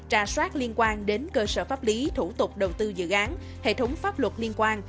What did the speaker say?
trà soát liên quan đến cơ sở pháp lý thủ tục đầu tư dự án hệ thống pháp luật liên quan